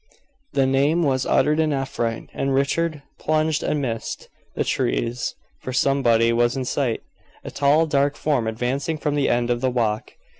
The name was uttered in affright, and Richard plunged amidst the trees, for somebody was in sight a tall, dark form advancing from the end of the walk.